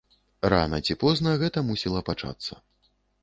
Рана ці позна гэта мусіла пачацца.